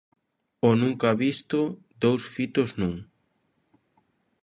O nunca visto: dous fitos nun.